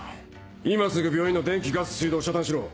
今すぐ病院の電気ガス水道を遮断しろ。